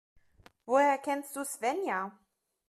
Woher kennst du Svenja?